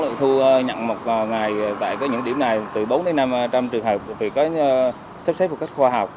lợi thu nhận một ngày tại những điểm này từ bốn năm trăm linh trường hợp vì có sắp xếp một cách khoa học